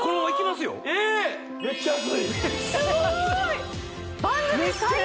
すごーい！